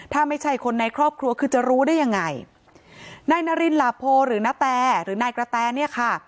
ถ้าไม่ใช่คนในครอบครัวคือจะรู้ได้ยังไงนายนารินหลาโพหรือนาแตหรือนายกระแตเนี่ยค่ะ